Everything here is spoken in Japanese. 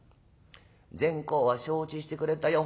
善公は承知してくれたよ。